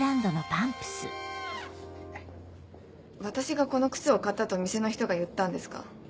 私がこの靴を買ったと店の人が言ったんですか？